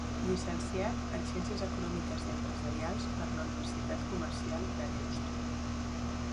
Llicenciat en Ciències Econòmiques i Empresarials per la Universitat Comercial de Deusto.